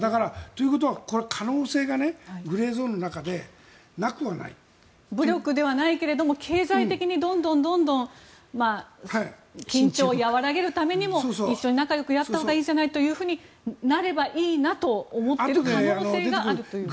ということは、可能性で武力ではないけども経済的にどんどん緊張を和らげるためにも一緒に仲よくやったほうがいいじゃないとなればいいのにと考える可能性があるという。